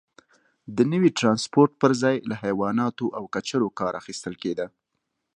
د نوي ټرانسپورت پرځای له حیواناتو او کچرو کار اخیستل کېده.